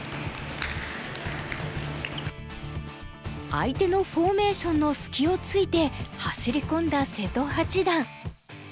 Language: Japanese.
相手のフォーメーションの隙をついて走り込んだ瀬戸八段。